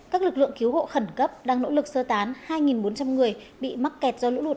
các lực lượng cứu hộ khẩn cấp đang nỗ lực sơ tán hai bốn trăm linh người bị mắc kẹt do lũ lụt